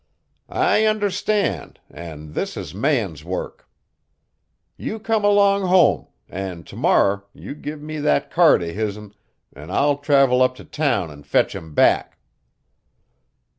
"I understand, an' this is man's work. You come along home, an' t' morrer you give me that card of his'n, an' I'll travel up t' town, an' fetch him back!"